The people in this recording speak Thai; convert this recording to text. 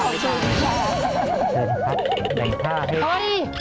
ขอบคุณค่ะในผ้าที่โอ๊ย